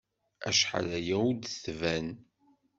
Acḥal aya ur d-tban.